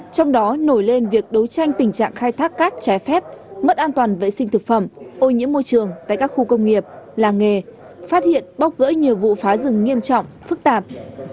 trong đó nổi lên việc đấu tranh tình trạng khai thác cát trái phép mất an toàn vệ sinh thực phẩm ô nhiễm môi trường tại các khu công nghiệp làng nghề phát hiện bóc gỡ nhiều vụ phá rừng nghiêm trọng phức tạp